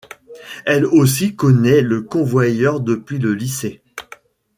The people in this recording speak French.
Elle aussi connaît le convoyeur depuis le lycée.